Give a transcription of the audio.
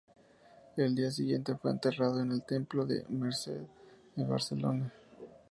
El día siguiente fue enterrado en el templo de la Merced de Barcelona.